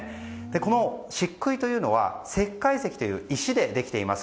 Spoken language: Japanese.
この漆喰というのは石灰石という石でできています。